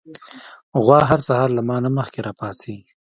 غوا هر سهار له ما نه مخکې راپاڅي.